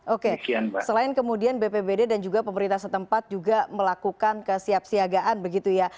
oke selain kemudian bpbd dan juga pemerintah setempat juga melakukan kesiapsiagaan begitu ya